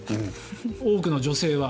多くの女性は。